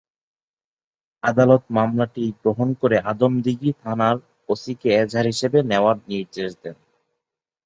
আদালত মামলাটি গ্রহণ করে আদমদীঘি থানার ওসিকে এজাহার হিসেবে নেওয়ার নির্দেশ দেন।